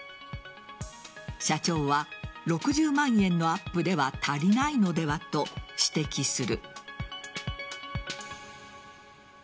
社長は、６０万円のアップでは足りないのではと指摘する。